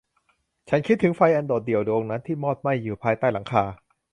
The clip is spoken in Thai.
ฉันคิดถึงไฟอันโดดเดี่ยวดวงนั้นที่มอดไหม้อยู่ภายใต้หลังคา